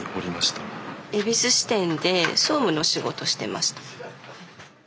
恵比寿支店で総務の仕事してました。